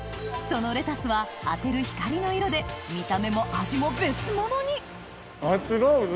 そのレタスは当てる光の色で見た目も味も別物に！